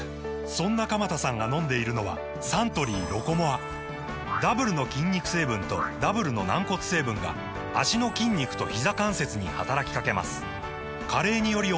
そんな鎌田さんが飲んでいるのはサントリー「ロコモア」ダブルの筋肉成分とダブルの軟骨成分が脚の筋肉とひざ関節に働きかけます加齢により衰える歩く速さを維持することが報告されています